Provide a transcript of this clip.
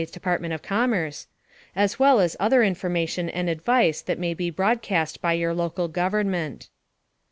S. Department of Commerce), as well as other information and advice that may be broadcast by your local government.